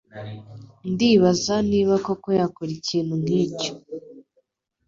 Ndibaza niba koko yakora ikintu nkicyo.